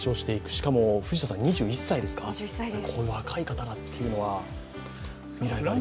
しかも、藤田さんは２１歳ですか、若い方というのは未来がありますね。